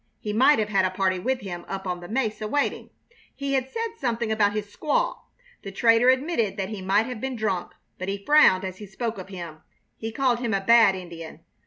He might have had a party with him up on the mesa, waiting. He had said something about his squaw. The trader admitted that he might have been drunk, but he frowned as he spoke of him. He called him a "bad Indian."